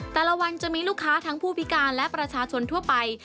แต่ละวันจะมีลูกค้าทั้งผู้พิการและประชาชนทั่วไป